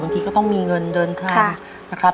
บางทีก็ต้องมีเงินเดินทาง